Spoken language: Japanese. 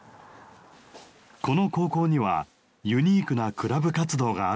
この高校にはユニークなクラブ活動があるそうです。